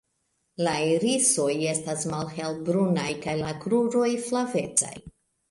La irisoj estas malhelbrunaj kaj la kruroj flavecaj.